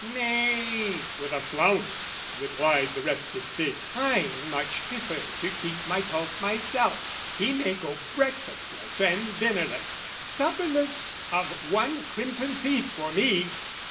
"'Nay,' with a flounce, replied the restif fig, "'I much prefer to keep my pulp myself: "'He may go breakfastless and dinnerless, "'Supperless of one crimson seed, for me!'